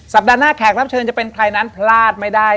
หน้าแขกรับเชิญจะเป็นใครนั้นพลาดไม่ได้